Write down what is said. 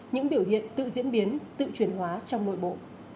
những biểu hiện tự diễn biến tự truyền hóa trong nội bộ